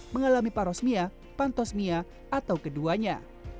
mengalami parosmia pantosmia atau keduanya